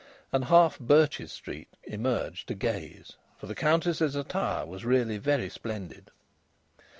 And half Birches Street emerged to gaze, for the Countess's attire was really very splendid.